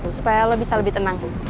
supaya lo bisa lebih tenang